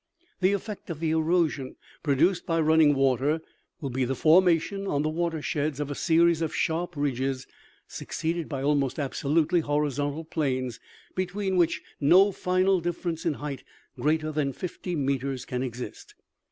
The effect of the erosion produced by running water will be the formation on the water sheds of a series of sharp ridges, succeeded by almost absolutely horizontal plains, between which no final difference in height greater than fifty meters can exist.